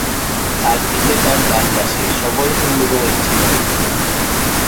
চারি দিকে তার দাসদাসী, সবই হিন্দু ঘরের ছিল।